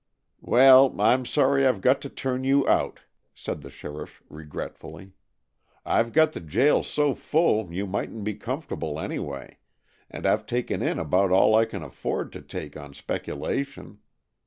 "Well, I'm sorry I've got to turn you out," said the sheriff regretfully. "I've got the jail so full you mightn't be comfortable anyway, and I've taken in about all I can afford to take on speculation.